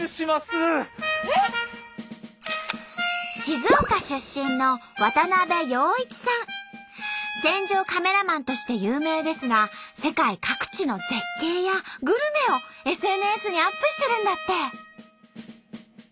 静岡出身の戦場カメラマンとして有名ですが世界各地の絶景やグルメをＳＮＳにアップしてるんだって！